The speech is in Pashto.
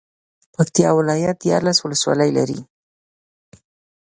پکتيا ولايت ديارلس ولسوالۍ لري.